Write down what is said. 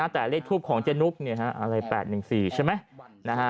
แต่เลขทูปของเจ๊นุกอะไร๘๑๔ใช่ไหม